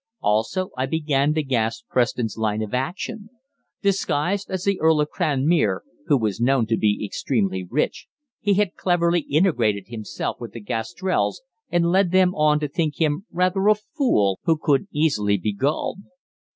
Also I began to grasp Preston's line of action. Disguised as the Earl of Cranmere, who was known to be extremely rich, he had cleverly ingratiated himself with the Gastrells and led them on to think him rather a fool who could easily be gulled.